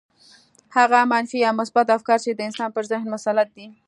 هغه منفي يا مثبت افکار چې د انسان پر ذهن مسلط دي.